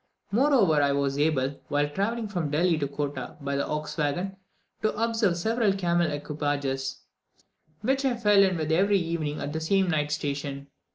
Moreover, I was able, while travelling from Delhi to Kottah by the ox waggon, to observe several camel equipages, which I fell in with every evening at the same night station.